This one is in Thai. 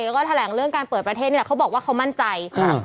แล้วก็แถลงเรื่องการเปิดประเทศนี่แหละเขาบอกว่าเขามั่นใจครับ